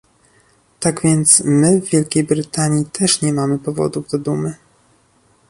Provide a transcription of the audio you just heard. Tak więc my w Wielkiej Brytanii też nie mamy powodów do dumy